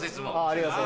ありがとう。